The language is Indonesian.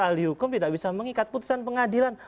ahli hukum tidak bisa mengikat putusan pengadilan